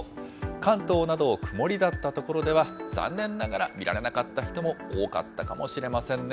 関東など、曇りだった所では、残念ながら見られなかった人も多かったかもしれませんね。